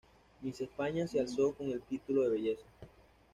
Miss España se alzó con el título de belleza.